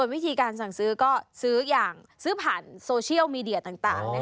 วิธีการสั่งซื้อก็ซื้ออย่างซื้อผ่านโซเชียลมีเดียต่าง